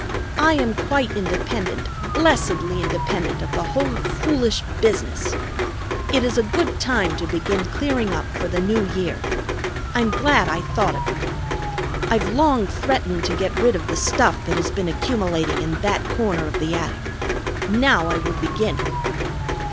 I am quite independent; blessedly independent of the whole foolish business. It is a good time to begin clearing up for the new year. I'm glad I thought of it. I've long threatened to get rid of the stuff that has been accumulating in that corner of the attic. Now I will begin."